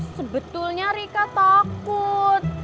sebetulnya rika takut